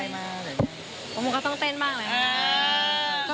บางอย่างก็ต้องเต้นบ้างเลยนะครับ